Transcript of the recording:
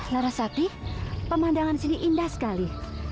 narasati pemandangan sini indah sekali